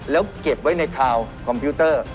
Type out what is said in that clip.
แล้วเก็บไว้ในคาวคอมพิวเตอร์